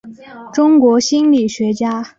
中国心理学家。